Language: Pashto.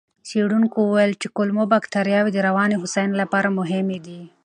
څېړونکو وویل چې کولمو بکتریاوې د رواني هوساینې لپاره مهمې دي.